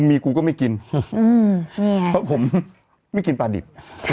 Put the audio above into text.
มีกูก็ไม่กินนี่ไงเพราะผมไม่กินปลาดิบ